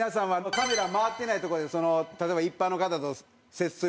カメラ回ってないとこで例えば一般の方と接する場合。